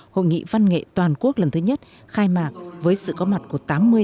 hội nghị văn nghệ toàn quốc lần thứ nhất khai mạc với sự có mặt của tám quốc gia